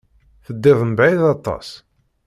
Teddiḍ mebɛid aṭas.